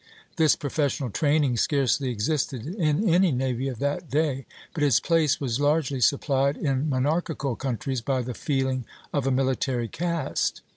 This professional training scarcely existed in any navy of that day, but its place was largely supplied in monarchical countries by the feeling of a military caste.